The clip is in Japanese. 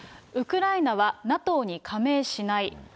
ウクライナはＮＡＴＯに加盟しない。